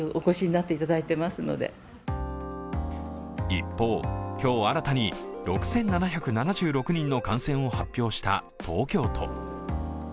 一方、今日新たに６７７６人の感染を発表した東京都。